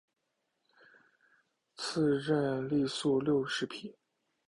赐郑璩素六十匹。